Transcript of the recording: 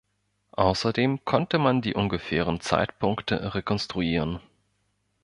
Außerdem konnte man die ungefähren Zeitpunkte rekonstruieren.